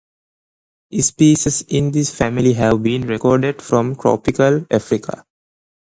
Species in this family have been recorded from Tropical Africa.